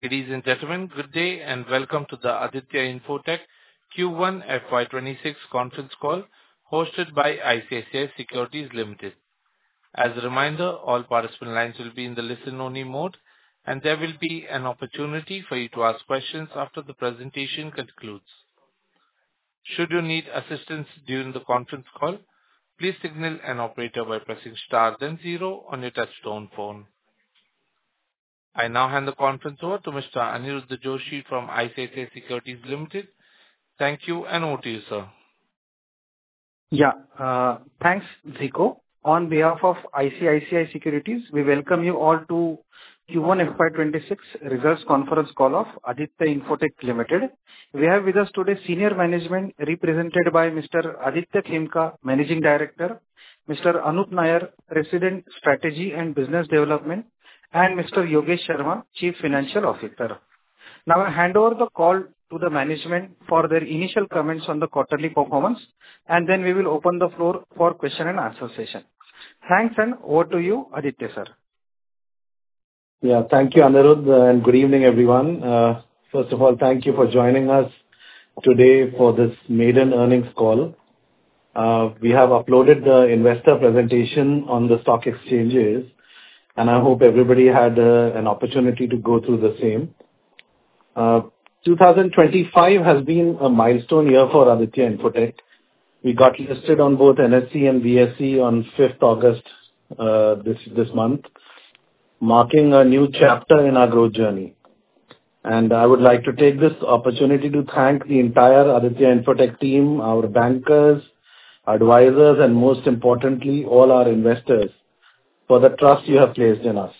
Ladies and gentlemen, good day and welcome to the Aditya Infotech Q1 FY26 conference call hosted by ICICI Securities Limited. As a reminder, all participant lines will be in the listen-only mode, and there will be an opportunity for you to ask questions after the presentation concludes. Should you need assistance during the conference call, please signal an operator by pressing star then zero on your touch-tone phone. I now hand the conference over to Mr. Aniruddha Joshi from ICICI Securities Limited. Thank you and over to you, sir. Yeah, thanks, Zico. On behalf of ICICI Securities, we welcome you all to Q1 FY26 Results Conference Call of Aditya Infotech Limited. We have with us today Senior Management represented by Mr. Aditya Khemka, Managing Director, Mr. Anup Nair, President, Strategy and Business Development, and Mr. Yogesh Sharma, Chief Financial Officer. Now, I'll hand over the call to the management for their initial comments on the quarterly performance, and then we will open the floor for question and answer session. Thanks, and over to you, Aditya, sir. Yeah, thank you, Aniruddha, and good evening, everyone. First of all, thank you for joining us today for this maiden earnings call. We have uploaded the investor presentation on the stock exchanges, and I hope everybody had an opportunity to go through the same. 2025 has been a milestone year for Aditya Infotech. We got listed on both NSE and BSE on 5th August this month, marking a new chapter in our growth journey, and I would like to take this opportunity to thank the entire Aditya Infotech team, our bankers, advisors, and most importantly, all our investors for the trust you have placed in us.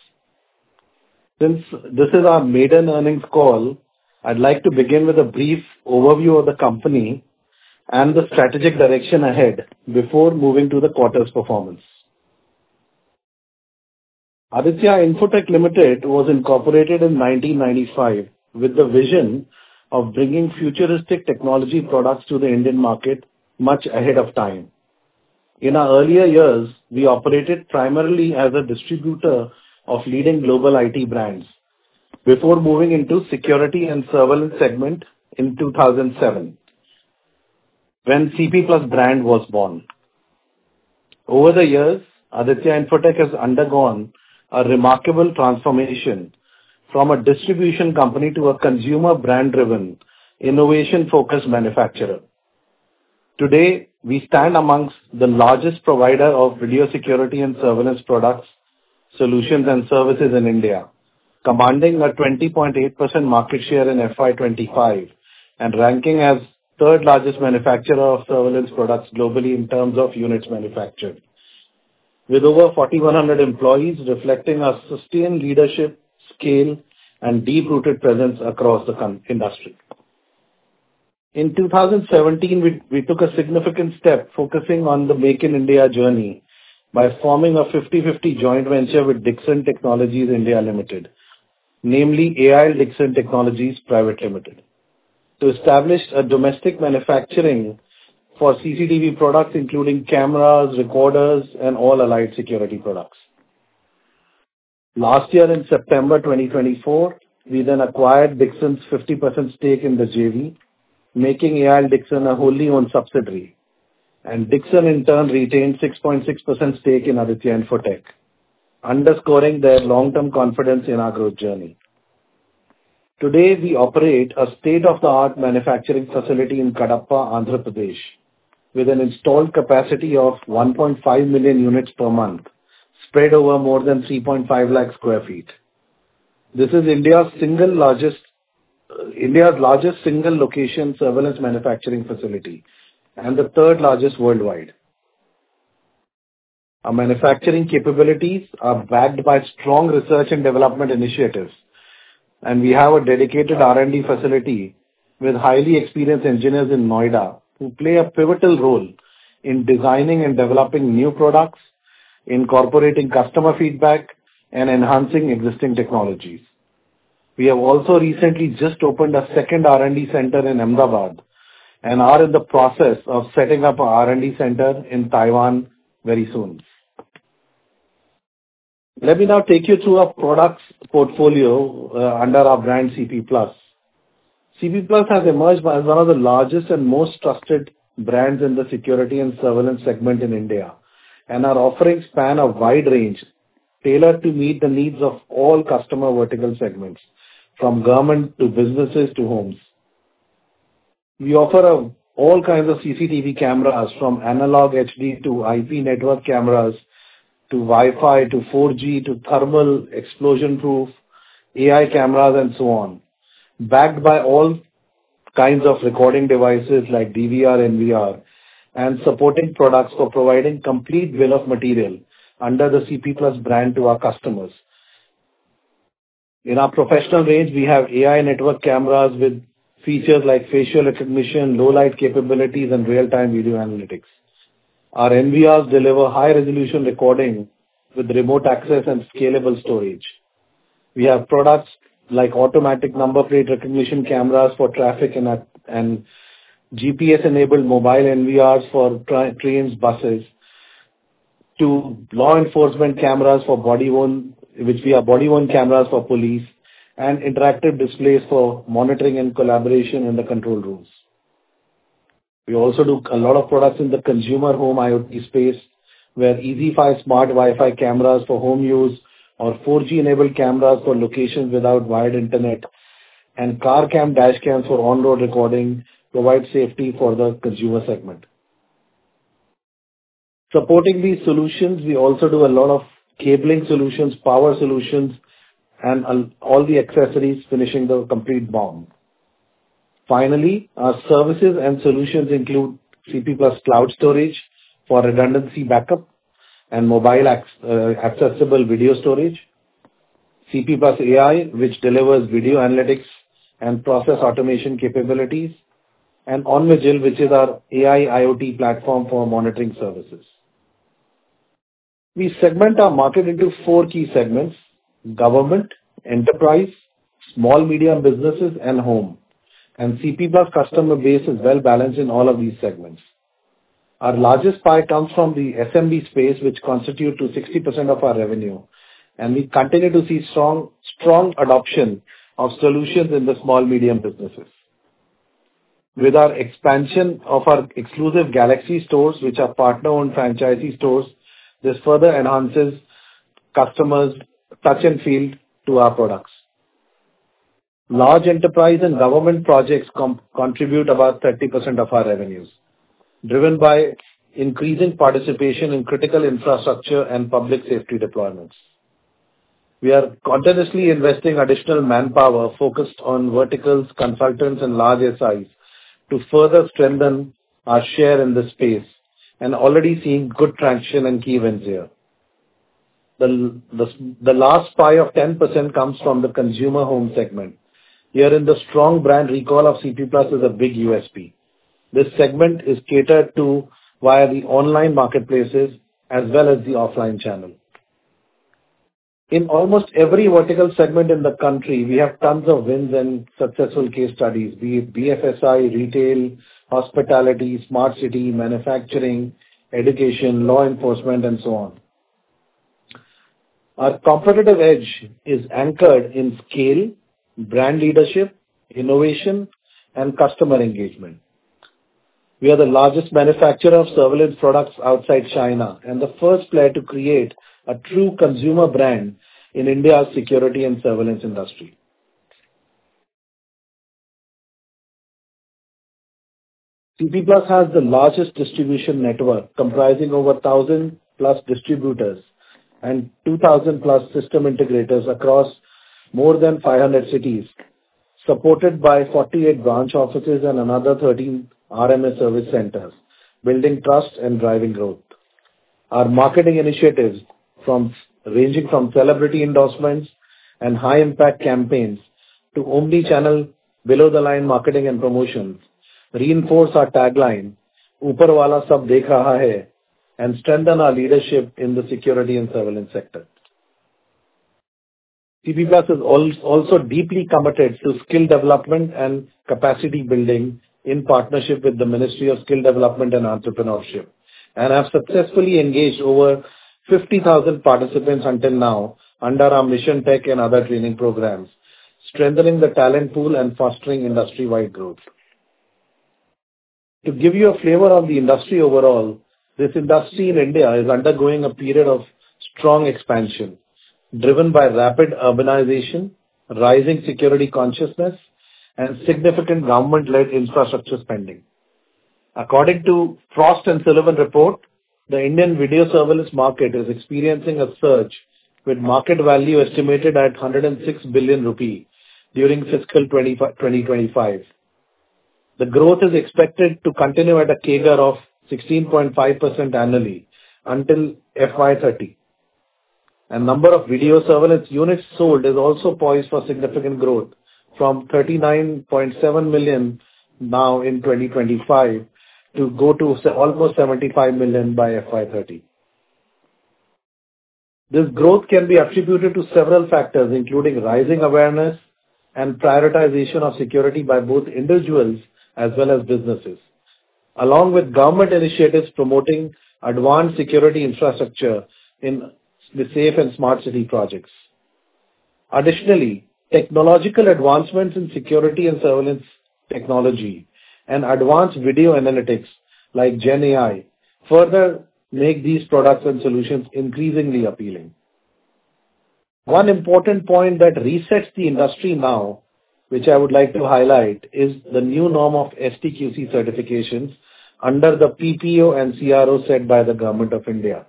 Since this is our maiden earnings call, I'd like to begin with a brief overview of the company and the strategic direction ahead before moving to the quarter's performance. Aditya Infotech Limited was incorporated in 1995 with the vision of bringing futuristic technology products to the Indian market much ahead of time. In our earlier years, we operated primarily as a distributor of leading global IT brands before moving into the security and surveillance segment in 2007, when CP PLUS brand was born. Over the years, Aditya Infotech has undergone a remarkable transformation from a distribution company to a consumer brand-driven, innovation-focused manufacturer. Today, we stand amongst the largest providers of video security and surveillance products, solutions, and services in India, commanding a 20.8% market share in FY25 and ranking as the third-largest manufacturer of surveillance products globally in terms of units manufactured, with over 4,100 employees reflecting our sustained leadership, scale, and deep-rooted presence across the industry. In 2017, we took a significant step focusing on the Make in India journey by forming a 50/50 joint venture with Dixon Technologies India Limited, namely AIL Dixon Technologies Private Limited, to establish a domestic manufacturing for CCTV products, including cameras, recorders, and all allied security products. Last year, in September 2024, we then acquired Dixon's 50% stake in the JV, making AIL Dixon a wholly owned subsidiary, and Dixon, in turn, retained 6.6% stake in Aditya Infotech, underscoring their long-term confidence in our growth journey. Today, we operate a state-of-the-art manufacturing facility in Kadapa, Andhra Pradesh, with an installed capacity of 1.5 million units per month spread over more than 3.5 lakh sq ft. This is India's single-largest single-location surveillance manufacturing facility and the third-largest worldwide. Our manufacturing capabilities are backed by strong research and development initiatives, and we have a dedicated R&D facility with highly experienced engineers in Noida who play a pivotal role in designing and developing new products, incorporating customer feedback, and enhancing existing technologies. We have also recently just opened a second R&D center in Ahmedabad and are in the process of setting up an R&D center in Taiwan very soon. Let me now take you through our products portfolio under our brand, CP PLUS. CP PLUS has emerged as one of the largest and most trusted brands in the security and surveillance segment in India, and our offerings span a wide range tailored to meet the needs of all customer vertical segments, from government to businesses to homes. We offer all kinds of CCTV cameras, from analog HD to IP network cameras, to Wi-Fi, to 4G, to thermal explosion-proof AI cameras, and so on, backed by all kinds of recording devices like DVR, NVR, and supporting products for providing complete bill of material under the CP PLUS brand to our customers. In our professional range, we have AI network cameras with features like facial recognition, low-light capabilities, and real-time video analytics. Our NVRs deliver high-resolution recording with remote access and scalable storage. We have products like automatic number plate recognition cameras for traffic and GPS-enabled mobile NVRs for trains, buses, to law enforcement cameras for body-worn, which we have body-worn cameras for police, and interactive displays for monitoring and collaboration in the control rooms. We also do a lot of products in the consumer home IoT space, where ezyKam smart Wi-Fi cameras for home use or 4G-enabled cameras for locations without wired internet and car cam dash cams for on-road recording provide safety for the consumer segment. Supporting these solutions, we also do a lot of cabling solutions, power solutions, and all the accessories finishing the complete BOM. Finally, our services and solutions include CP PLUS cloud storage for redundancy backup and mobile accessible video storage, CP PLUS AI, which delivers video analytics and process automation capabilities, and OnVigil, which is our AI IoT platform for monitoring services. We segment our market into four key segments: government, enterprise, small-medium businesses, and home, and CP PLUS customer base is well balanced in all of these segments. Our largest pie comes from the SMB space, which constitutes 60% of our revenue, and we continue to see strong adoption of solutions in the small-medium businesses. With our expansion of our exclusive Galaxy stores, which are partner-owned franchisee stores, this further enhances customers' touch and feel to our products. Large enterprise and government projects contribute about 30% of our revenues, driven by increasing participation in critical infrastructure and public safety deployments. We are continuously investing additional manpower focused on verticals, consultants, and large SIs to further strengthen our share in the space and already seeing good traction and key wins here. The last pie of 10% comes from the consumer home segment. Here, the strong brand recall of CP PLUS is a big USP. This segment is catered to via the online marketplaces as well as the offline channel. In almost every vertical segment in the country, we have tons of wins and successful case studies, be it BFSI, retail, hospitality, smart city, manufacturing, education, law enforcement, and so on. Our competitive edge is anchored in scale, brand leadership, innovation, and customer engagement. We are the largest manufacturer of surveillance products outside China and the first player to create a true consumer brand in India's security and surveillance industry. CP PLUS has the largest distribution network comprising over 1,000-plus distributors and 2,000-plus system integrators across more than 500 cities, supported by 48 branch offices and another 13 RMA service centers, building trust and driving growth. Our marketing initiatives, ranging from celebrity endorsements and high-impact campaigns to omnichannel below-the-line marketing and promotions, reinforce our tagline, "Uparwala Sab Dekh Raha Hai," and strengthen our leadership in the security and surveillance sector. CP PLUS is also deeply committed to skill development and capacity building in partnership with the Ministry of Skill Development and Entrepreneurship and has successfully engaged over 50,000 participants until now under our Mission Tech and other training programs, strengthening the talent pool and fostering industry-wide growth. To give you a flavor of the industry overall, this industry in India is undergoing a period of strong expansion, driven by rapid urbanization, rising security consciousness, and significant government-led infrastructure spending. According to Frost & Sullivan report, the Indian video surveillance market is experiencing a surge with market value estimated at 106 billion rupee during fiscal 2025. The growth is expected to continue at a CAGR of 16.5% annually until FY30. The number of video surveillance units sold is also poised for significant growth from 39.7 million now in 2025 to go to almost 75 million by FY30. This growth can be attributed to several factors, including rising awareness and prioritization of security by both individuals as well as businesses, along with government initiatives promoting advanced security infrastructure in the safe and smart city projects. Additionally, technological advancements in security and surveillance technology and advanced video analytics like GenAI further make these products and solutions increasingly appealing. One important point that resets the industry now, which I would like to highlight, is the new norm of STQC certifications under the PPO and CRO set by the Government of India.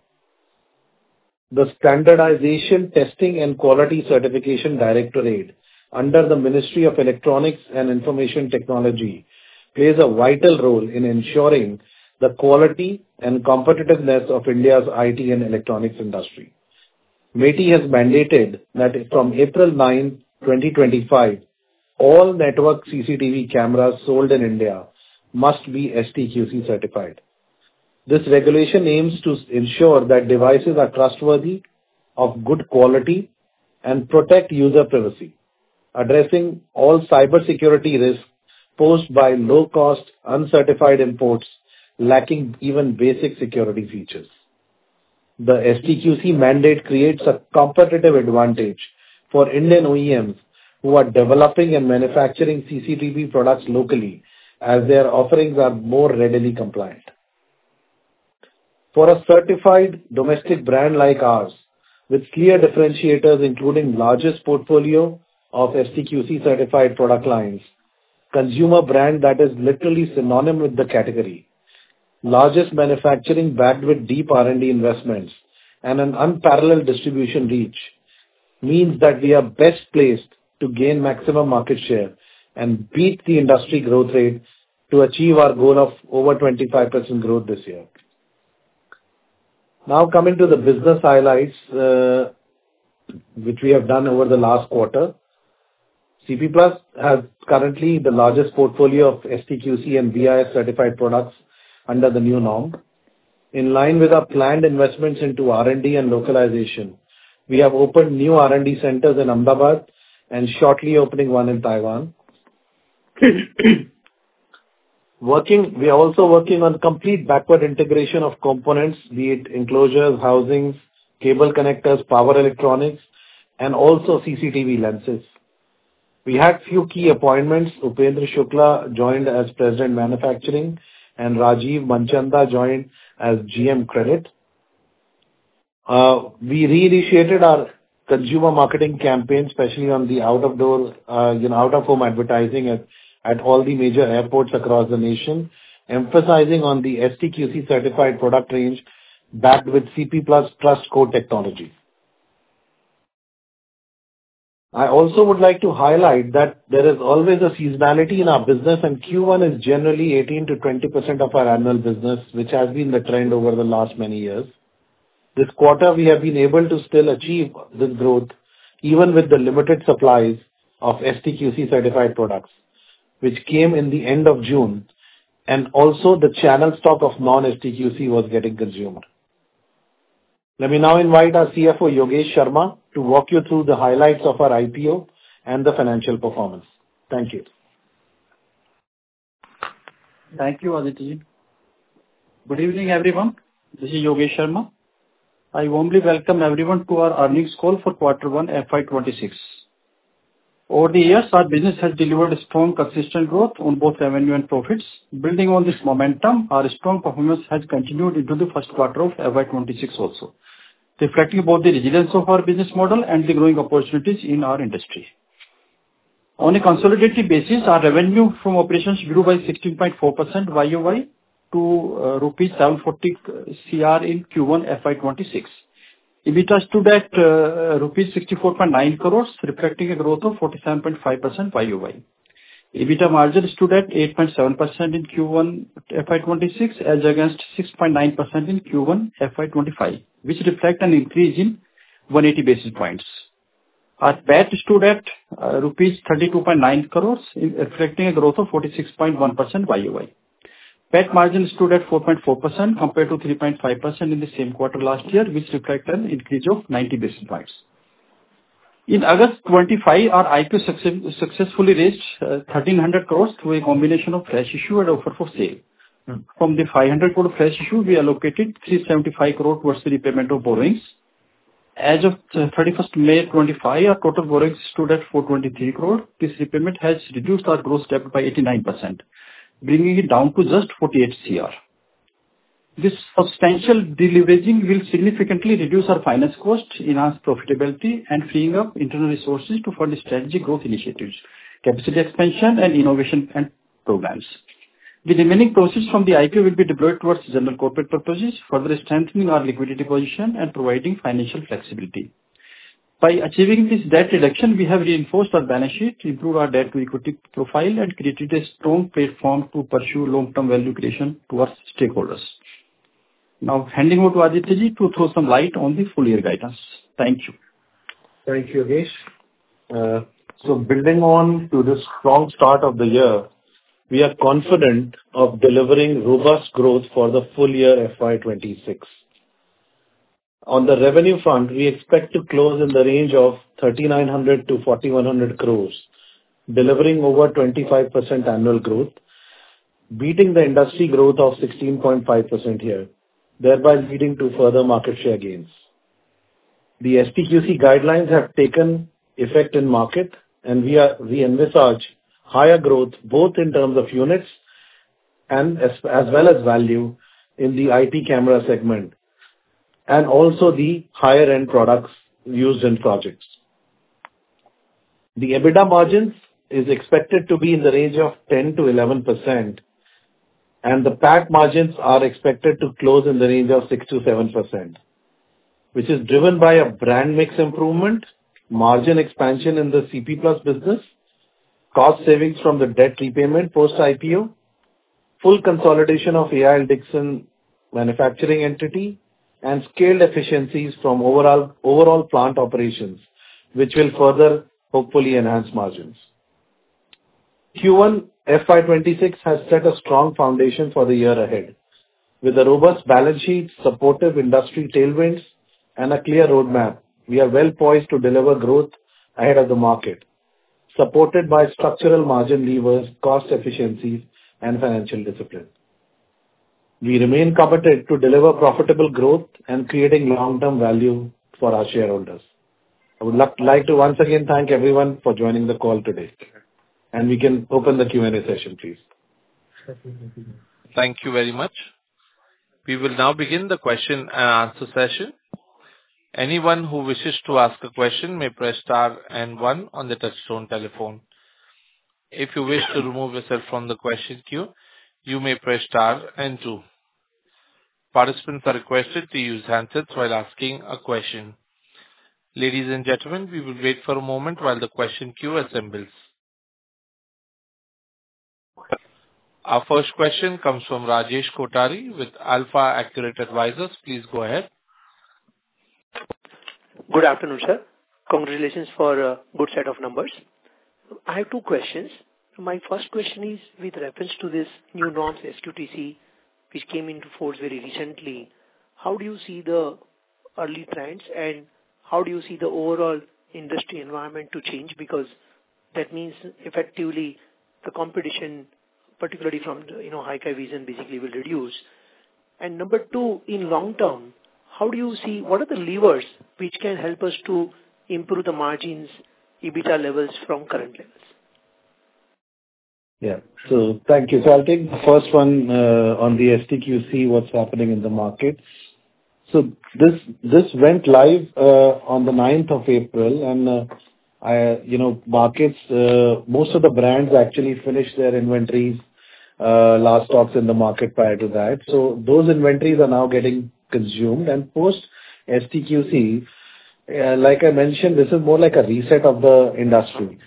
The Standardization, Testing, and Quality Certification Directorate under the Ministry of Electronics and Information Technology plays a vital role in ensuring the quality and competitiveness of India's IT and electronics industry. MeITY has mandated that from April 9, 2025, all network CCTV cameras sold in India must be STQC certified. This regulation aims to ensure that devices are trustworthy, of good quality, and protect user privacy, addressing all cybersecurity risks posed by low-cost, uncertified imports lacking even basic security features. The STQC mandate creates a competitive advantage for Indian OEMs who are developing and manufacturing CCTV products locally as their offerings are more readily compliant. For a certified domestic brand like ours, with clear differentiators, including the largest portfolio of STQC certified product lines, a consumer brand that is literally synonymous with the category, largest manufacturing backed with deep R&D investments, and an unparalleled distribution reach, means that we are best placed to gain maximum market share and beat the industry growth rate to achieve our goal of over 25% growth this year. Now, coming to the business highlights which we have done over the last quarter, CP PLUS has currently the largest portfolio of STQC and BIS certified products under the new norm. In line with our planned investments into R&D and localization, we have opened new R&D centers in Ahmedabad and shortly opening one in Taiwan. We are also working on complete backward integration of components, be it enclosures, housings, cable connectors, power electronics, and also CCTV lenses. We had a few key appointments. Upendra Shukla joined as President of Manufacturing, and Rajiv Manchanda joined as GM Credit. We reinitiated our consumer marketing campaign, especially on the out-of-home advertising at all the major airports across the nation, emphasizing the STQC certified product range backed with CP PLUS TrustCode technology. I also would like to highlight that there is always a seasonality in our business, and Q1 is generally 18%-20% of our annual business, which has been the trend over the last many years. This quarter, we have been able to still achieve this growth even with the limited supplies of STQC certified products, which came in the end of June, and also the channel stock of non-STQC was getting consumed. Let me now invite our CFO, Yogesh Sharma, to walk you through the highlights of our IPO and the financial performance. Thank you. Thank you, Aditya. Good evening, everyone. This is Yogesh Sharma. I warmly welcome everyone to our earnings call for Q1, FY26. Over the years, our business has delivered strong, consistent growth on both revenue and profits. Building on this momentum, our strong performance has continued into the first quarter of FY26 also, reflecting both the resilience of our business model and the growing opportunities in our industry. On a consolidated basis, our revenue from operations grew by 16.4% YoY to rupees 740 crore in Q1, FY26. EBITDA stood at rupees 64.9 crore, reflecting a growth of 47.5% YoY. EBITDA margin stood at 8.7% in Q1, FY26, as against 6.9% in Q1, FY25, which reflects an increase in 180 basis points. Our PAT stood at rupees 32.9 crore, reflecting a growth of 46.1% YoY. PAT margin stood at 4.4% compared to 3.5% in the same quarter last year, which reflects an increase of 90 basis points. In August 2025, our IPO successfully raised 1,300 crores through a combination of cash issue and offer for sale. From the 500 crores cash issue, we allocated 375 crores towards the repayment of borrowings. As of 31st May 2025, our total borrowings stood at 423 crore. This repayment has reduced our gross debt by 89%, bringing it down to just 48 crore. This substantial deleveraging will significantly reduce our finance cost, enhance profitability, and free up internal resources to fund strategic growth initiatives, capacity expansion, and innovation programs. The remaining proceeds from the IPO will be deployed towards general corporate purposes, further strengthening our liquidity position and providing financial flexibility. By achieving this debt reduction, we have reinforced our balance sheet, improved our debt-to-equity profile, and created a strong platform to pursue long-term value creation towards stakeholders. Now, handing over to Aditya to throw some light on the full-year guidance. Thank you. Thank you, Yogesh. Building on to this strong start of the year, we are confident of delivering robust growth for the full-year FY26. On the revenue front, we expect to close in the range of 3,900-4,100 crore, delivering over 25% annual growth, beating the industry growth of 16.5% here, thereby leading to further market share gains. The STQC guidelines have taken effect in the market, and we envisage higher growth both in terms of units as well as value in the IP camera segment and also the higher-end products used in projects. The EBITDA margin is expected to be in the range of 10%-11%, and the PAT margins are expected to close in the range of 6%-7%, which is driven by a brand mix improvement, margin expansion in the CP PLUS business, cost savings from the debt repayment post-IPO, full consolidation of AIL Dixon Manufacturing Entity, and scaled efficiencies from overall plant operations, which will further, hopefully, enhance margins. Q1, FY26 has set a strong foundation for the year ahead. With a robust balance sheet, supportive industry tailwinds, and a clear roadmap, we are well poised to deliver growth ahead of the market, supported by structural margin levers, cost efficiencies, and financial discipline. We remain committed to deliver profitable growth and creating long-term value for our shareholders. I would like to once again thank everyone for joining the call today. And we can open the Q&A session, please. Thank you very much. We will now begin the question and answer session. Anyone who wishes to ask a question may press star and one on the touch-tone telephone. If you wish to remove yourself from the question queue, you may press star and two. Participants are requested to use handsets while asking a question. Ladies and gentlemen, we will wait for a moment while the question queue assembles. Our first question comes from Rajesh Kothari with AlfAccurate Advisors. Please go ahead. Good afternoon, sir. Congratulations for a good set of numbers. I have two questions. My first question is, with reference to this new norm STQC, which came into force very recently, how do you see the early trends and how do you see the overall industry environment to change? Because that means effectively the competition, particularly from Hikvision, basically will reduce. And number two, in long term, how do you see what are the levers which can help us to improve the margins, EBITDA levels from current levels? Yeah. So thank you. So I'll take the first one on the STQC, what's happening in the markets. So this went live on the 9th of April, and markets, most of the brands actually finished their inventories, last stocks in the market prior to that. So those inventories are now getting consumed. And post-STQC, like I mentioned, this is more like a reset of the industry.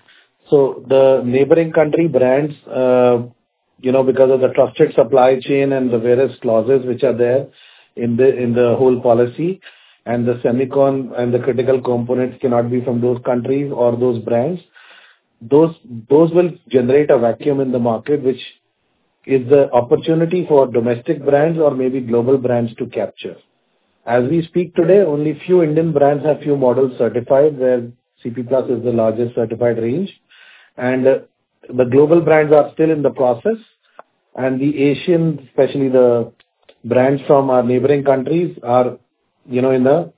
The neighboring country brands, because of the trusted supply chain and the various clauses which are there in the whole policy, and the semicon and the critical components cannot be from those countries or those brands. Those will generate a vacuum in the market, which is the opportunity for domestic brands or maybe global brands to capture. As we speak today, only a few Indian brands have a few models certified, where CP PLUS is the largest certified range. The global brands are still in the process. The Asian, especially the brands from our neighboring countries, are in the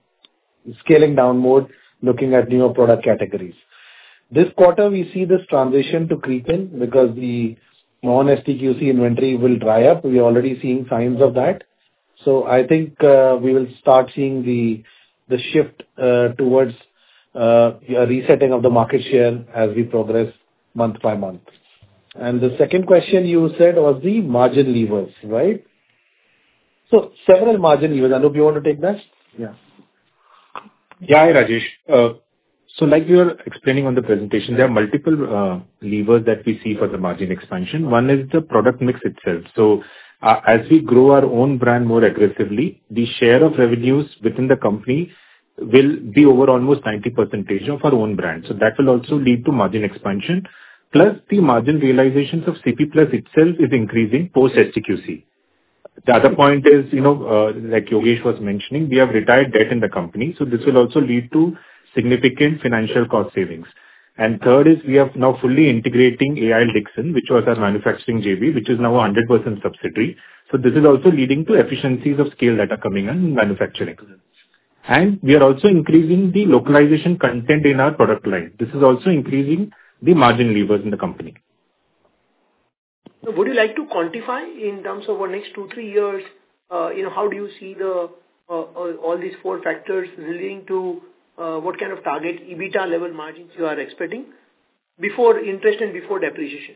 scaling down mode, looking at newer product categories. This quarter, we see this transition to creep in because the non-STQC inventory will dry up. We are already seeing signs of that. So I think we will start seeing the shift towards a resetting of the market share as we progress month by month. And the second question you said was the margin levers, right? So several margin levers. I don't know if you want to take next. Yeah. Yeah, hi, Rajesh. So like you were explaining on the presentation, there are multiple levers that we see for the margin expansion. One is the product mix itself. So as we grow our own brand more aggressively, the share of revenues within the company will be over almost 90% of our own brand. So that will also lead to margin expansion. Plus, the margin realizations of CP PLUS itself is increasing post-STQC. The other point is, like Yogesh was mentioning, we have retired debt in the company. So this will also lead to significant financial cost savings. And third is we are now fully integrating AI and Dixon, which was our manufacturing JV, which is now 100% subsidiary. So this is also leading to efficiencies of scale that are coming in manufacturing. And we are also increasing the localization content in our product line. This is also increasing the margin levers in the company. So would you like to quantify in terms of over the next two, three years, how do you see all these four factors leading to what kind of target EBITDA level margins you are expecting before interest and before depreciation?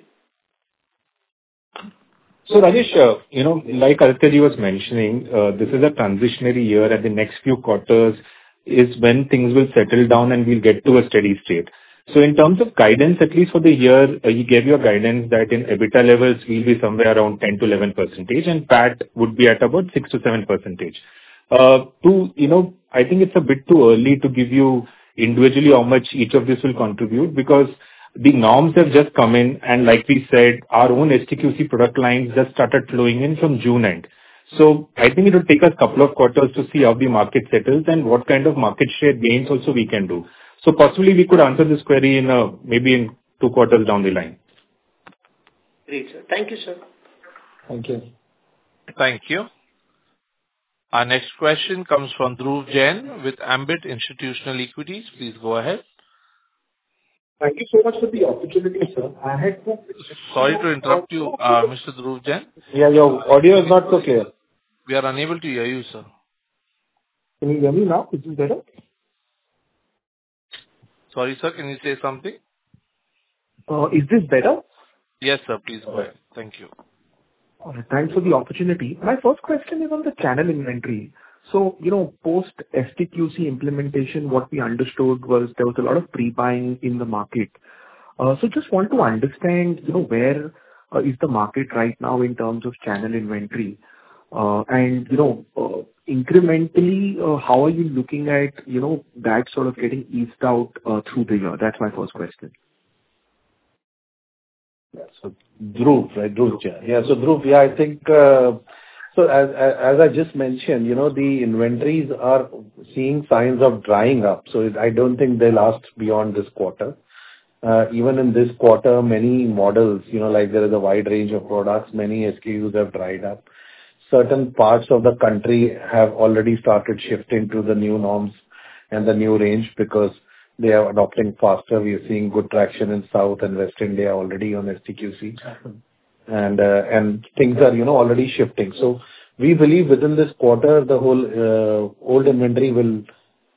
So Rajesh, like Aditya was mentioning, this is a transitionary year, and the next few quarters is when things will settle down and we'll get to a steady state. So in terms of guidance, at least for the year, you gave your guidance that in EBITDA levels, we'll be somewhere around 10%-11%, and PAC would be at about 6%-7%. I think it's a bit too early to give you individually how much each of these will contribute because the norms have just come in. And like we said, our own STQC product lines just started flowing in from June end. So I think it will take us a couple of quarters to see how the market settles and what kind of market share gains also we can do. So possibly we could answer this query maybe in two quarters down the line. Great. Thank you, sir. Thank you. Thank you. Our next question comes from Dhruv Jain with Ambit Institutional Equities. Please go ahead. Thank you so much for the opportunity, sir. Thanks for the opportunity. My first question is on the channel inventory. So post-STQC implementation, what we understood was there was a lot of pre-buying in the market. So just want to understand where is the market right now in terms of channel inventory? And incrementally, how are you looking at that sort of getting eased out through the year? That's my first question. Yeah. So Dhruv, right? Dhruv Jain. Yeah. So Dhruv, yeah, I think so as I just mentioned, the inventories are seeing signs of drying up. So I don't think they last beyond this quarter. Even in this quarter, many models, like there is a wide range of products, many SKUs have dried up. Certain parts of the country have already started shifting to the new norms and the new range because they are adopting faster. We are seeing good traction in South and West India already on STQC, and things are already shifting, so we believe within this quarter, the whole old inventory will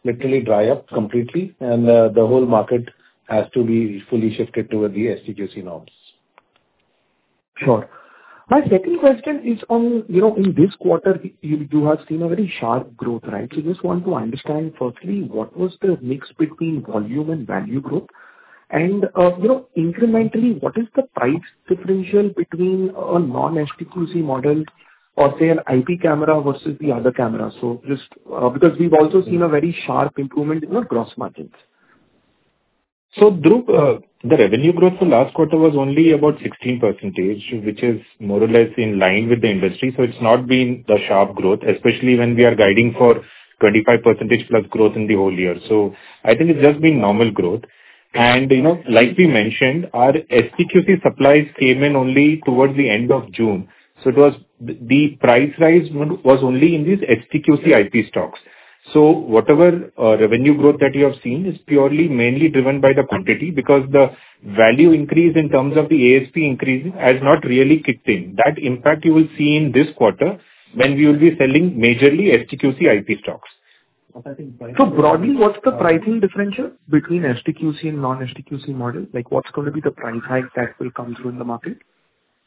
literally dry up completely, and the whole market has to be fully shifted towards the STQC norms. Sure. My second question is, in this quarter, you have seen a very sharp growth, right, so I just want to understand, firstly, what was the mix between volume and value growth, and incrementally, what is the price differential between a non-STQC model or, say, an IP camera versus the other cameras? Because we've also seen a very sharp improvement in the gross margins. So Dhruv, the revenue growth for last quarter was only about 16%, which is more or less in line with the industry. So it's not been a sharp growth, especially when we are guiding for 25% plus growth in the whole year. So I think it's just been normal growth. And like we mentioned, our STQC supplies came in only towards the end of June. So the price rise was only in these STQC IP stocks. So whatever revenue growth that you have seen is purely mainly driven by the quantity because the value increase in terms of the ASP increase has not really kicked in. That impact you will see in this quarter when we will be selling majorly STQC IP stocks. So broadly, what's the pricing differential between STQC and non-STQC models? What's going to be the price hike that will come through in the market?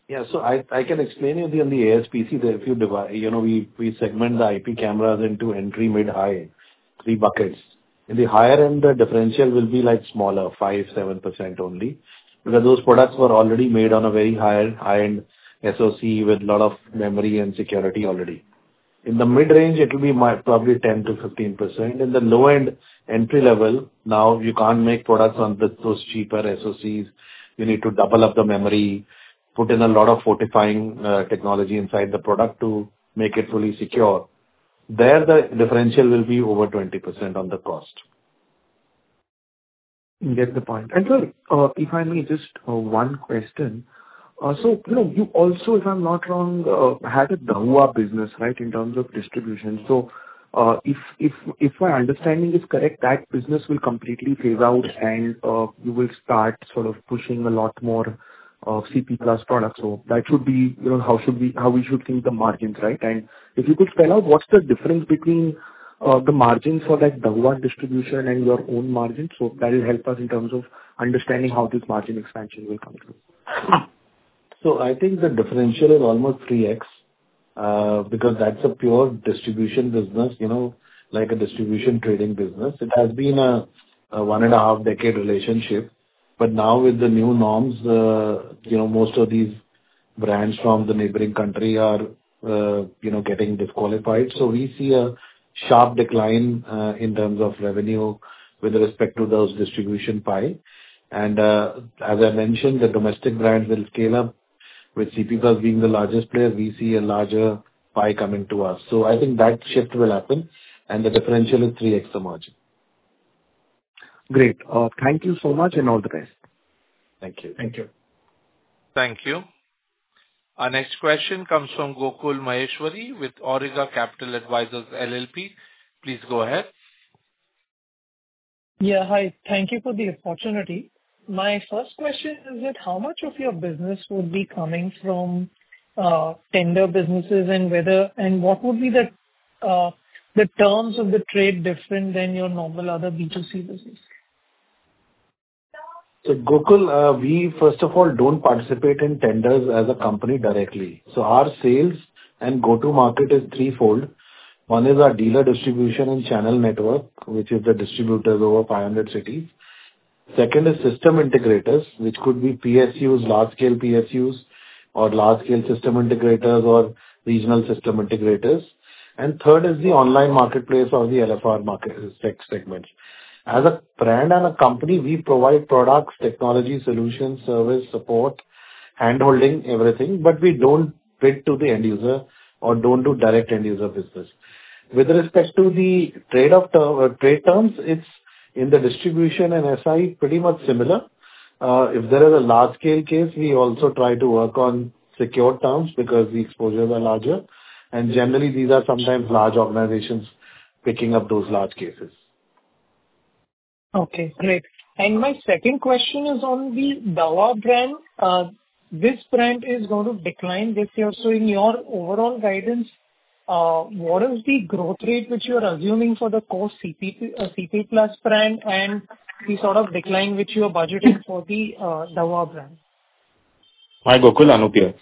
Yeah. So I can explain it in the ASP. We segment the IP cameras into entry, mid, high, three buckets. In the higher end, the differential will be smaller, 5%-7% only, because those products were already made on a very high-end SoC with a lot of memory and security already. In the mid range, it will be probably 10%-15%. In the low-end entry level, now you can't make products on those cheaper SoCs. You need to double up the memory, put in a lot of fortifying technology inside the product to make it fully secure. There, the differential will be over 20% on the cost. I get the point. And sir, if I may, just one question. So you also, if I'm not wrong, had a Dahua business, right, in terms of distribution. So if my understanding is correct, that business will completely phase out, and you will start sort of pushing a lot more CP PLUS products. So that should be how we should think the margins, right? And if you could spell out, what's the difference between the margins for that Dahua distribution and your own margins? So that will help us in terms of understanding how this margin expansion will come through. So I think the differential is almost 3x because that's a pure distribution business, like a distribution trading business. It has been a one-and-a-half-decade relationship. But now, with the new norms, most of these brands from the neighboring country are getting disqualified. So we see a sharp decline in terms of revenue with respect to those distribution pie. And as I mentioned, the domestic brands will scale up. With CP PLUS being the largest player, we see a larger pie coming to us. So I think that shift will happen, and the differential is 3x the margin. Great. Thank you so much and all the best. Thank you. Thank you. Thank you. Our next question comes from Gokul Maheshwari with Awriga Capital Advisors LLP. Please go ahead. Yeah. Hi. Thank you for the opportunity. My first question is, how much of your business would be coming from tender businesses, and what would be the terms of the trade different than your normal other B2C business? So Gokul, we, first of all, don't participate in tenders as a company directly. So our sales and go-to-market is threefold. One is our dealer distribution and channel network, which is the distributors over 500 cities. Second is system integrators, which could be PSUs, large-scale PSUs, or large-scale system integrators or regional system integrators. And third is the online marketplace or the LFR market segments. As a brand and a company, we provide products, technology, solutions, service, support, handholding, everything, but we don't bid to the end user or don't do direct end user business. With respect to the trade terms, it's in the distribution and SI, pretty much similar. If there is a large-scale case, we also try to work on secure terms because the exposures are larger. And generally, these are sometimes large organizations picking up those large cases. Okay. Great. And my second question is on the Dahua brand. This brand is going to decline this year. So in your overall guidance, what is the growth rate which you are assuming for the core CP PLUS brand and the sort of decline which you are budgeting for the Dahua brand? Hi, Gokul. Anup.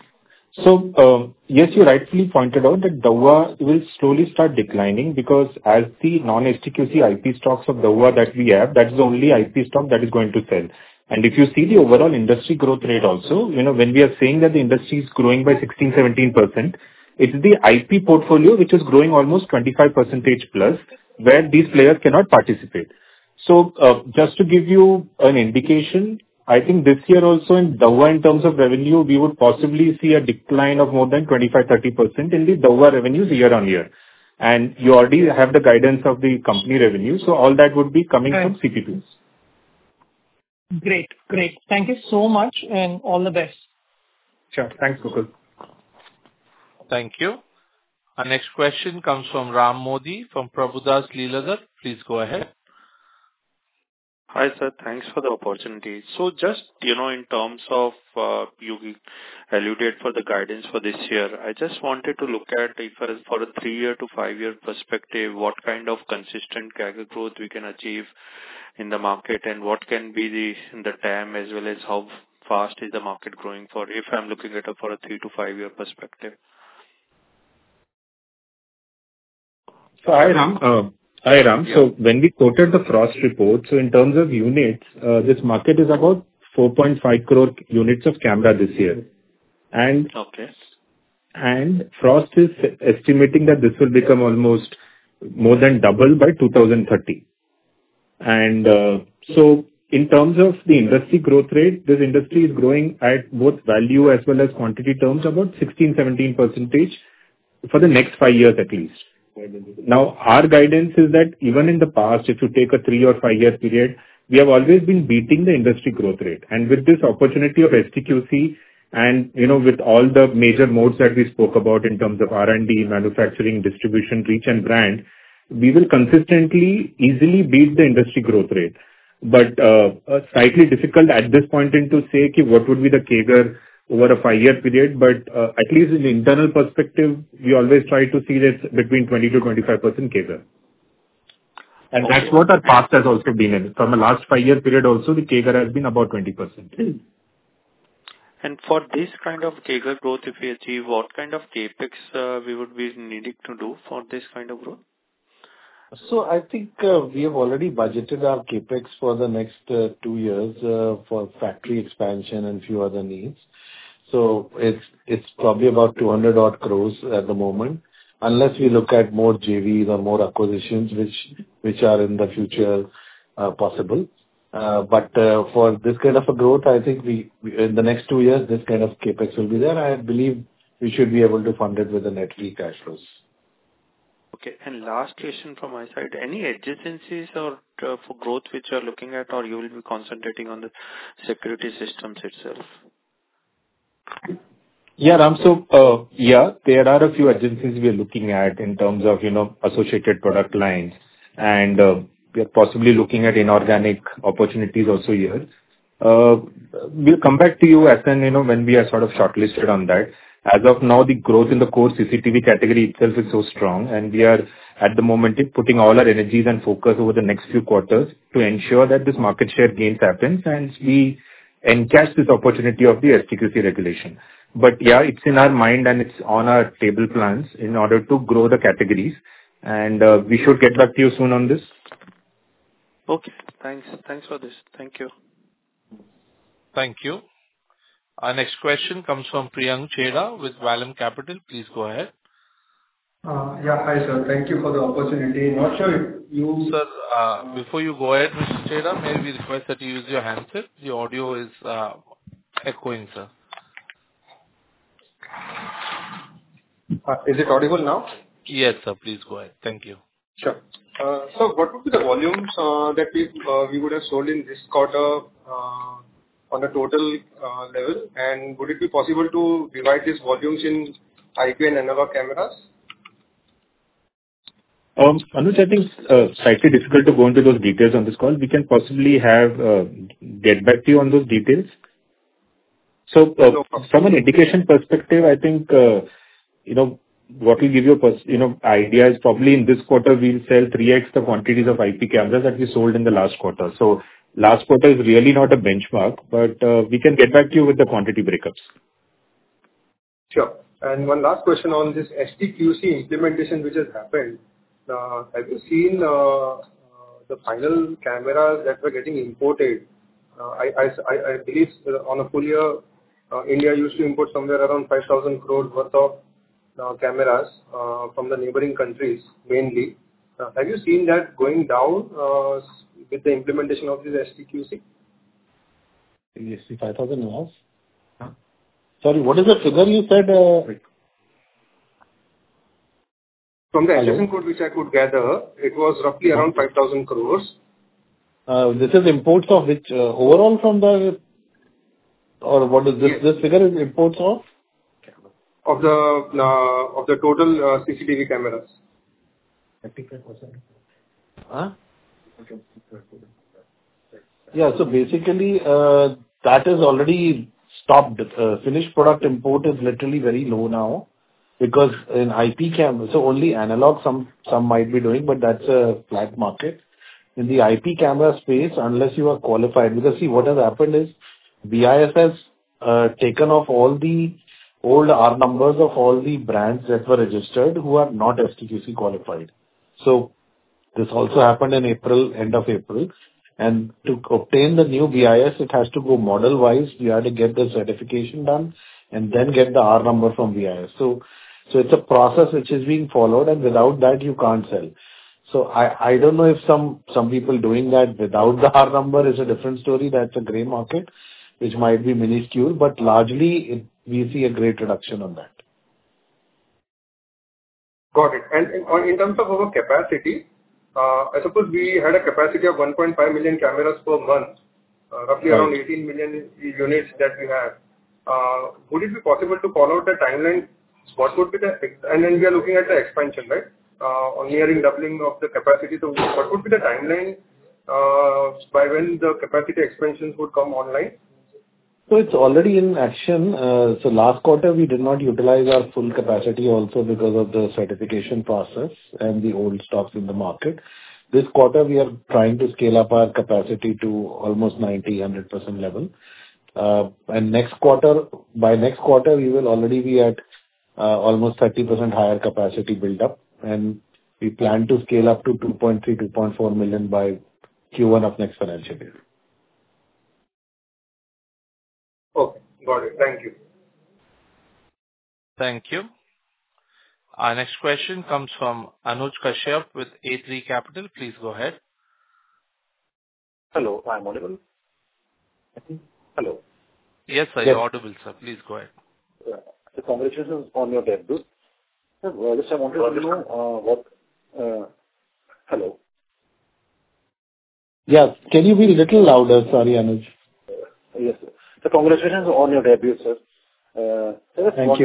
So yes, you rightfully pointed out that Dahua will slowly start declining because as the non-STQC IP stocks of Dahua that we have, that is the only IP stock that is going to sell. And if you see the overall industry growth rate also, when we are saying that the industry is growing by 16%, 17%, it's the IP portfolio which is growing almost 25% plus, where these players cannot participate. So just to give you an indication, I think this year also in Dahua, in terms of revenue, we would possibly see a decline of more than 25%, 30% in the Dahua revenues year on year. And you already have the guidance of the company revenue. So all that would be coming from CP PLUS. Great. Great. Thank you so much and all the best. Sure. Thanks, Gokul. Thank you. Our next question comes from Ram Modi from Prabhudas Lilladher. Please go ahead. Hi, sir. Thanks for the opportunity. So just in terms of you alluded for the guidance for this year, I just wanted to look at if for a three-year to five-year perspective, what kind of consistent growth we can achieve in the market and what can be the TAM as well as how fast is the market growing for if I'm looking at it for a three-to-five-year perspective? So, Raman. So when we quoted the Frost report, so in terms of units, this market is about 4.5 crore units of camera this year. And Frost is estimating that this will become almost more than double by 2030. And so in terms of the industry growth rate, this industry is growing at both value as well as quantity terms, about 16%-17% for the next five years at least. Now, our guidance is that even in the past, if you take a three or five-year period, we have always been beating the industry growth rate. And with this opportunity of STQC and with all the major modes that we spoke about in terms of R&D, manufacturing, distribution, reach, and brand, we will consistently easily beat the industry growth rate. But slightly difficult at this point in to say what would be the CAGR over a five-year period. But at least in the internal perspective, we always try to see that between 20% to 25% CAGR. And that's what our past has also been in. From the last five-year period also, the CAGR has been about 20%. And for this kind of CAGR growth, if we achieve, what kind of CapEx we would be needing to do for this kind of growth? So I think we have already budgeted our CapEx for the next two years for factory expansion and a few other needs. So it's probably about 200-odd crores at the moment, unless we look at more JVs or more acquisitions, which are in the future possible. But for this kind of a growth, I think in the next two years, this kind of CapEx will be there. I believe we should be able to fund it with the net free cash flows. Okay. And last question from my side. Any adjacencies for growth which you are looking at, or you will be concentrating on the security systems itself? Yeah. So yeah, there are a few adjacencies we are looking at in terms of associated product lines. And we are possibly looking at inorganic opportunities also here. We'll come back to you as and when we are sort of shortlisted on that. As of now, the growth in the core CCTV category itself is so strong, and we are at the moment putting all our energies and focus over the next few quarters to ensure that this market share gains happens and we encash this opportunity of the STQC regulation. But yeah, it's in our mind, and it's on our table plans in order to grow the categories. And we should get back to you soon on this. Okay. Thanks. Thanks for this. Thank you. Thank you. Our next question comes from Priyank Chheda with Vallum Capital. Please go ahead. So what would be the volumes that we would have sold in this quarter on a total level? And would it be possible to divide these volumes in IP and NLR cameras? Anup, yeah, I think it's slightly difficult to go into those details on this call. We can possibly get back to you on those details. So from an education perspective, I think what will give you an idea is probably in this quarter, we'll sell 3x the quantities of IP cameras that we sold in the last quarter. So last quarter is really not a benchmark, but we can get back to you with the quantity breakups. Sure. And one last question on this STQC implementation which has happened. Have you seen the final cameras that we're getting imported? I believe on a full year, India used to import somewhere around 5,000 crores worth of cameras from the neighboring countries, mainly. Have you seen that going down with the implementation of this STQC? Sorry, what is the figure you said? From the HSN code which I could gather, it was roughly around 5,000 crores. This is imports of which overall from the or what is this figure is imports of? Of the total CCTV cameras. Yeah. So basically, that has already stopped. Finished product import is literally very low now because in IP cameras, so only analog some might be doing, but that's a flat market. In the IP camera space, unless you are qualified, because see, what has happened is BIS has taken off all the old R numbers of all the brands that were registered who are not STQC qualified. So this also happened in April, end of April. And to obtain the new BIS, it has to go model-wise. You have to get the certification done and then get the R number from BIS. So it's a process which is being followed, and without that, you can't sell. So I don't know if some people doing that without the R number is a different story. That's a gray market, which might be minuscule, but largely, we see a great reduction on that. Got it. And in terms of our capacity, I suppose we had a capacity of 1.5 million cameras per month, roughly around 18 million units that we have. Would it be possible to follow the timeline? And then we are looking at the expansion, right, or nearing doubling of the capacity. So what would be the timeline by when the capacity expansions would come online? So it's already in action. So last quarter, we did not utilize our full capacity also because of the certification process and the old stocks in the market. This quarter, we are trying to scale up our capacity to almost 90%-100% level. And by next quarter, we will already be at almost 30% higher capacity build-up. And we plan to scale up to 2.3-2.4 million by Q1 of next financial year. Okay. Got it. Thank you. Thank you. Our next question comes from Anuj Kashyap with A3 Capital. Please go ahead. So congratulations on your debut, sir. I wanted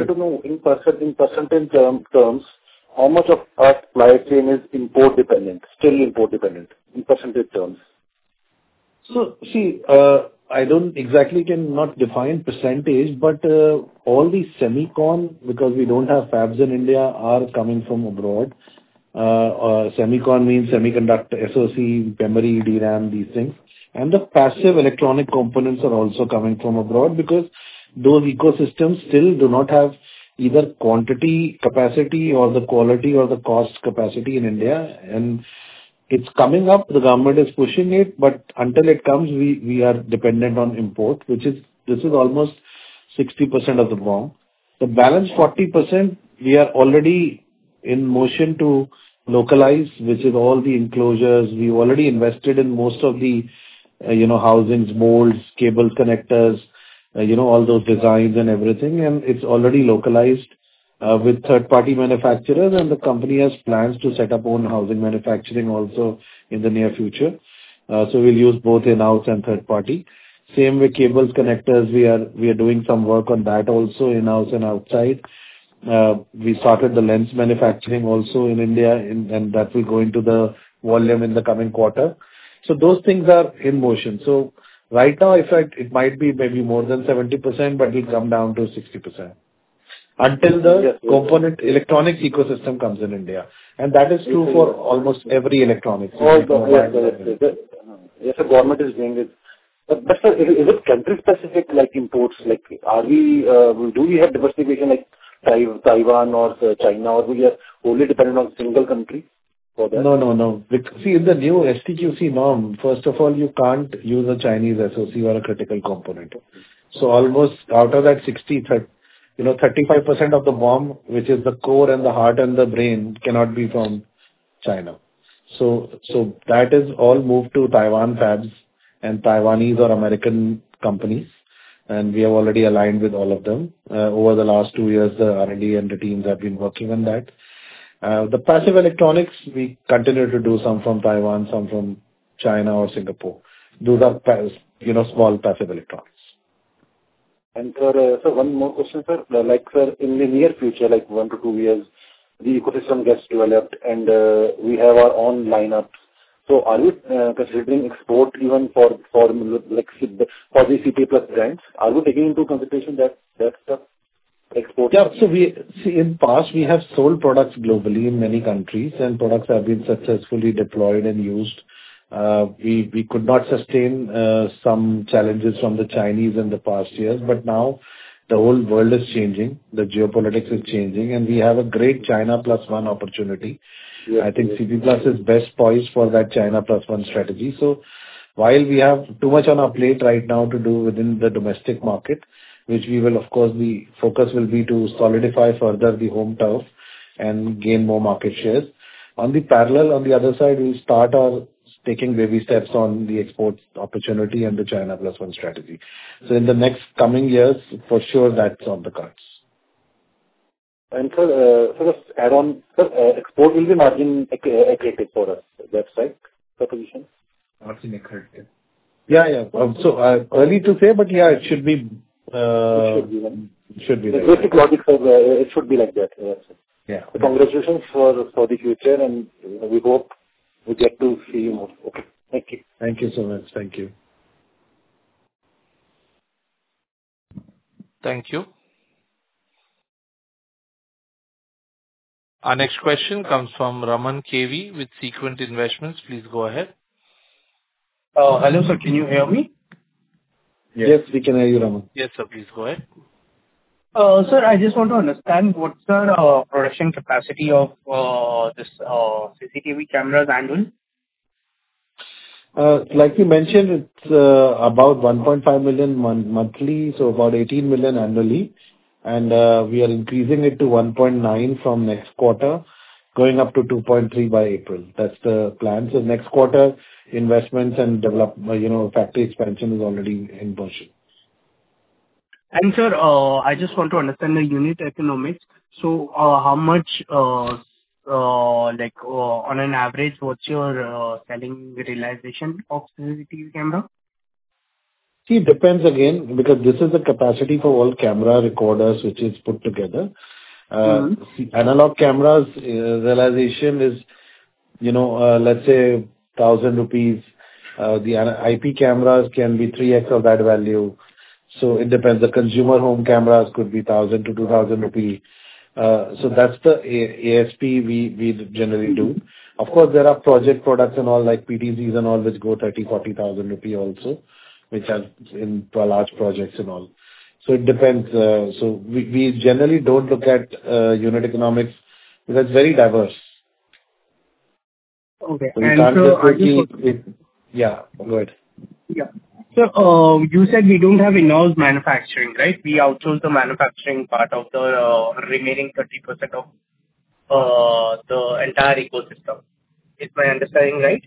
to know in percentage terms how much of our supply chain is import-dependent, still import-dependent in percentage terms. So see, I don't exactly can not define percentage, but all the Semicon, because we don't have fabs in India, are coming from abroad. Semicon means semiconductor SoC, memory, DRAM, these things. And the passive electronic components are also coming from abroad because those ecosystems still do not have either quantity, capacity, or the quality or the cost capacity in India. And it's coming up. The government is pushing it, but until it comes, we are dependent on import, which is almost 60% of the BOM. The balance 40%, we are already in motion to localize, which is all the enclosures. We've already invested in most of the housings, molds, cable connectors, all those designs and everything. And it's already localized with third-party manufacturers, and the company has plans to set up in-house manufacturing also in the near future. So we'll use both in-house and third-party. Same with cable connectors. We are doing some work on that also in-house and outside. We started the lens manufacturing also in India, and that will go into the volume in the coming quarter. So those things are in motion. So right now, in fact, it might be maybe more than 70%, but it will come down to 60% until the electronic components ecosystem comes in India. And that is true for almost every electronics. Yes, the government is doing it. But sir, is it country-specific imports? Do we have diversification like Taiwan or China? Are we only dependent on a single country for that? No, no, no. See, in the new STQC norm, first of all, you can't use a Chinese SoC or a critical component. So almost out of that 60, 35% of the BOM, which is the core and the heart and the brain, cannot be from China. So that is all moved to Taiwan fabs and Taiwanese or American companies. And we have already aligned with all of them. Over the last two years, the R&D and the teams have been working on that. The passive electronics, we continue to do some from Taiwan, some from China or Singapore. Those are small passive electronics. And sir, one more question, sir. In the near future, like one to two years, the ecosystem gets developed and we have our own lineup. So are you considering export even for the CP PLUS brands? Are we taking into consideration that export? Yeah. So, see, in the past, we have sold products globally in many countries, and products have been successfully deployed and used. We could not sustain some challenges from the Chinese in the past years. But now, the whole world is changing. The geopolitics is changing. And we have a great China plus one opportunity. I think CP PLUS is best poised for that China plus one strategy. So while we have too much on our plate right now to do within the domestic market, which we will, of course, the focus will be to solidify further the home turf and gain more market shares. On the parallel, on the other side, we'll start taking baby steps on the export opportunity and the China plus one strategy. So in the next coming years, for sure, that's on the cards. And sir, sort of add-on, sir, export will be margin accretive for us. That's right? The position? Margin accretive. Yeah, yeah. Too early to say, but yeah, it should be. It should be, right? Basic logic, sir, it should be like that. Congratulations for the future, and we hope we get to see you more. Thank you so much. Thank you. Thank you. Our next question comes from Raman KV with Sequent Investments. Please go ahead. Hello, sir. Can you hear me? Yes, we can hear you, Raman. Yes, sir. Please go ahead. Sir, I just want to understand what's the production capacity of this CCTV cameras annually? Like you mentioned, it's about 1.5 million monthly, so about 18 million annually. And we are increasing it to 1.9 from next quarter, going up to 2.3 by April. That's the plan. So next quarter, investments and factory expansion is already in motion. And sir, I just want to understand the unit economics. So how much, on an average, what's your selling realization of CCTV camera? See, it depends again because this is the capacity for all camera recorders which is put together. Analog cameras realization is, let's say, 1,000 rupees. The IP cameras can be 3x of that value. So it depends. The consumer home cameras could be 1,000-2,000 rupees. So that's the ASP we generally do. Of course, there are project products and all like PDVs and all which go 30,000-40,000 rupee also, which are in large projects and all. So it depends. So we generally don't look at unit economics because it's very diverse. Okay. And sir, I think yeah. Go ahead. Yeah. Sir, you said we don't have in-house manufacturing, right? We outsource the manufacturing part of the remaining 30% of the entire ecosystem. Is my understanding right?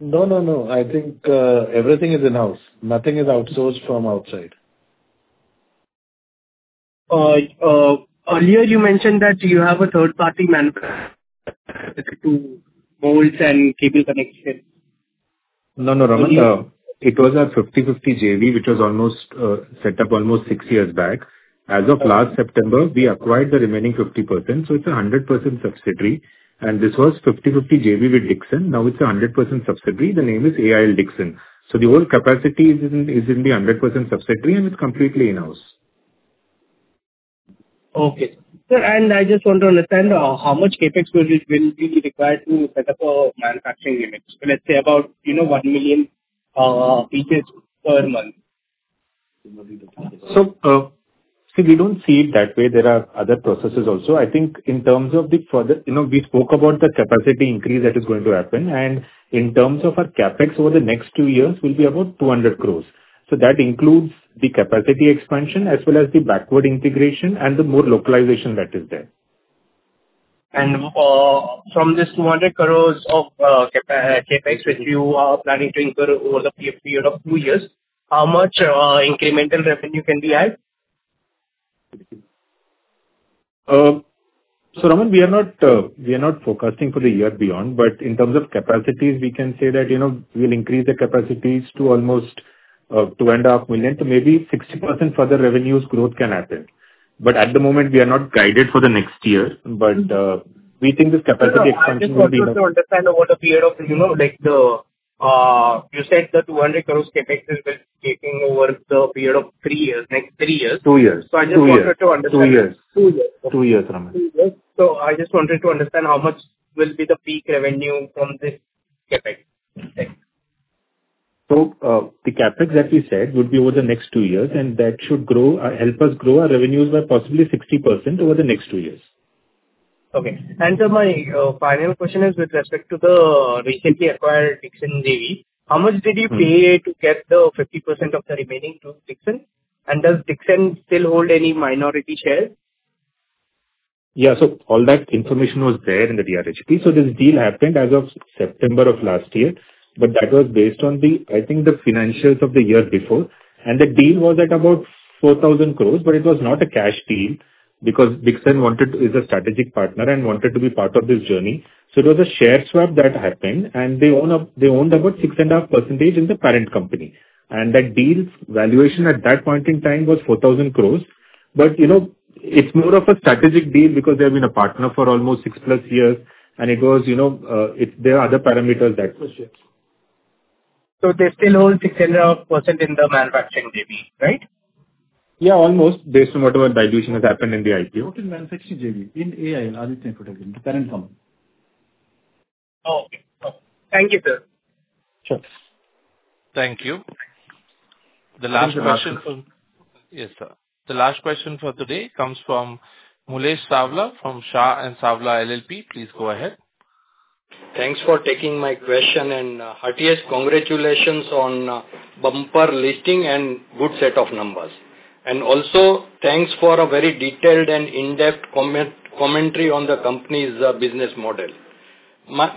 No, no, no. I think everything is in-house. Nothing is outsourced from outside. Earlier, you mentioned that you have a third-party manufacturer to molds and cable connections. No, no, Raman. It was at 50/50 JV, which was set up almost six years back. As of last September, we acquired the remaining 50%. So it's a 100% subsidiary. And this was 50/50 JV with Dixon. Now it's a 100% subsidiary. The name is AIL Dixon. So the whole capacity is in the 100% subsidiary, and it's completely in-house. Okay. Sir, and I just want to understand how much CapEx will be required to set up a manufacturing unit? Let's say about one million pieces per month. So see, we don't see it that way. There are other processes also. I think in terms of the further we spoke about the capacity increase that is going to happen. In terms of our CapEx over the next two years will be about 200 crores. So that includes the capacity expansion as well as the backward integration and the more localization that is there. And from this 200 crores of CapEx, which you are planning to incur over the period of two years, how much incremental revenue can we add? So Raman, we are not focusing for the year beyond, but in terms of capacity, we can say that we'll increase the capacities to almost 2.5 million. So maybe 60% further revenues growth can happen. But at the moment, we are not guided for the next year. But we think this capacity expansion will be not. I just want to understand over the period of that you said the 200 crores CapEx will be taking over the period of three years, next three years. Two years, Raman. Two years. So I just wanted to understand how much will be the peak revenue from this CapEx? So the CapEx that we said would be over the next two years, and that should help us grow our revenues by possibly 60% over the next two years. Okay. And sir, my final question is with respect to the recently acquired Dixon JV. How much did you pay to get the 50% of the remaining to Dixon? And does Dixon still hold any minority shares? Yeah. So all that information was there in the DRHP. So this deal happened as of September of last year. But that was based on, I think, the financials of the year before. And the deal was at about 4,000 crores, but it was not a cash deal because Dixon is a strategic partner and wanted to be part of this journey. So it was a share swap that happened, and they owned about 6.5% in the parent company. And that deal's valuation at that point in time was 4,000 crores. But it's more of a strategic deal because they have been a partner for almost six plus years, and it was, there are other parameters that. So they still hold 6.5% in the manufacturing JV, right? Yeah, almost based on whatever dilution has happened in the IPO. Okay. Thank you, sir. Sure. Thank you. The last question for today comes from Mulesh Savla from Shah & Savla LLP. Please go ahead. Thanks for taking my question, and heartiest congratulations on bumper listing and good set of numbers, and also, thanks for a very detailed and in-depth commentary on the company's business model.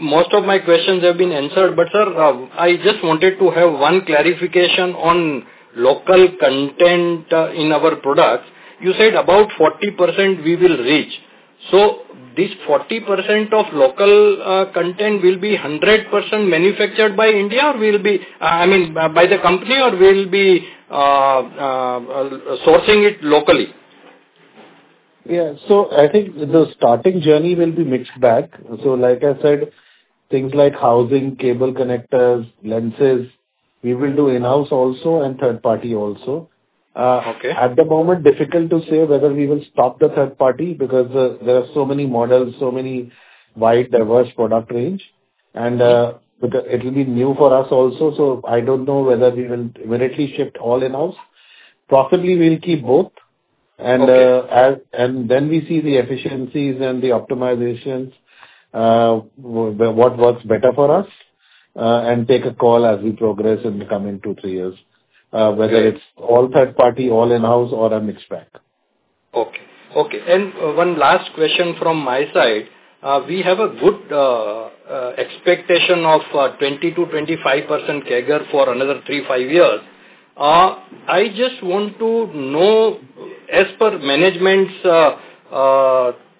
Most of my questions have been answered, but sir, I just wanted to have one clarification on local content in our products. You said about 40% we will reach. So this 40% of local content will be 100% manufactured by India or will be, I mean, by the company or will be sourcing it locally? Yeah. So I think the starting journey will be mixed bag. So like I said, things like housing, cable connectors, lenses, we will do in-house also and third-party also. At the moment, difficult to say whether we will stop the third-party because there are so many models, so many wide, diverse product range, and it will be new for us also. So I don't know whether we will immediately shift all in-house. Possibly, we'll keep both. And then we see the efficiencies and the optimizations, what works better for us, and take a call as we progress in the coming two, three years, whether it's all third-party, all in-house, or a mixed bag. Okay. Okay. And one last question from my side. We have a good expectation of 20%-25% CAGR for another three, five years. I just want to know, as per management's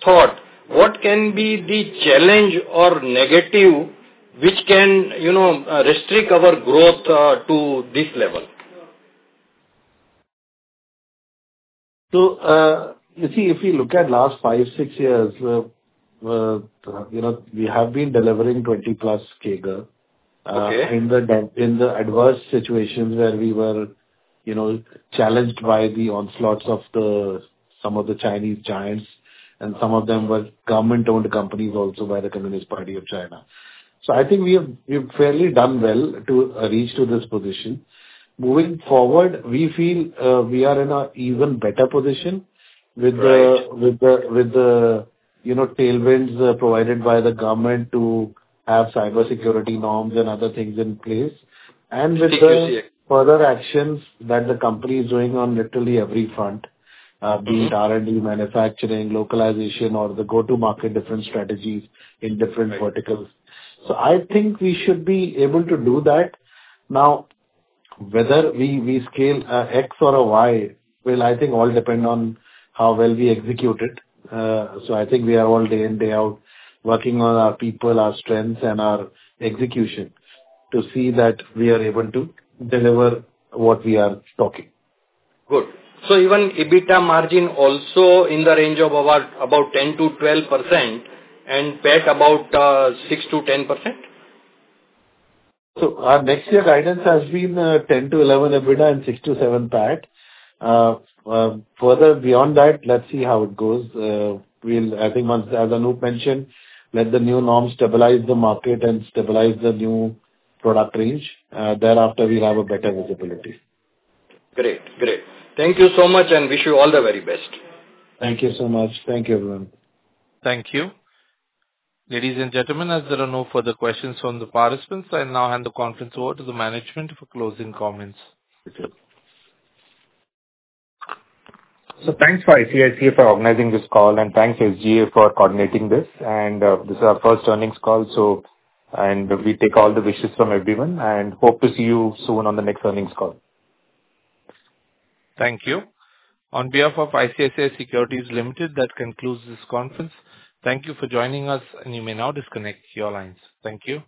thought, what can be the challenge or negative which can restrict our growth to this level? So you see, if you look at last five, six years, we have been delivering 20-plus CAGR in the adverse situations where we were challenged by the onslaughts of some of the Chinese giants, and some of them were government-owned companies also by the Communist Party of China. So I think we have fairly done well to reach this position. Moving forward, we feel we are in an even better position with the tailwinds provided by the government to have cybersecurity norms and other things in place. And with the further actions that the company is doing on literally every front, be it R&D, manufacturing, localization, or the go-to-market different strategies in different verticals. So I think we should be able to do that. Now, whether we scale X or a Y will, I think, all depend on how well we execute it. So I think we are all day in, day out working on our people, our strengths, and our execution to see that we are able to deliver what we are talking. Good. So even EBITDA margin also in the range of about 10%-12% and PAT about 6%-10%? So our next year guidance has been 10-11 EBITDA and 6-7 PAT. Further beyond that, let's see how it goes. I think, as Anup mentioned, let the new norms stabilize the market and stabilize the new product range. Thereafter, we'll have a better visibility. Great. Great. Thank you so much and wish you all the very best. Thank you so much. Thank you, everyone. Thank you. Ladies and gentlemen, as there are no further questions from the participants, I now hand the conference over to the management for closing comments. So thanks to ICICI for organizing this call, and thanks to Valorem for coordinating this. And this is our first earnings call, and we take all the wishes from everyone and hope to see you soon on the next earnings call. Thank you. On behalf of ICICI Securities Limited, that concludes this conference. Thank you for joining us, and you may now disconnect your lines. Thank you.